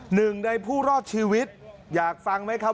หนึ่งในผู้รอดชีวิตอยากฟังไหมครับ